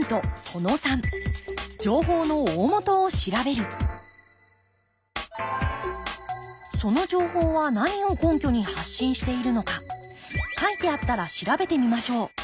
その３その情報は何を根拠に発信しているのか書いてあったら調べてみましょう。